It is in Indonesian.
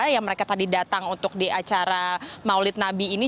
yang mereka tadi datang untuk di acara maulid nabi ini